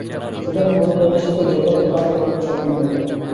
সুতরাং ঐরূপ অবস্থাতেই যথার্থ কার্য করিতে সক্ষম হইবে।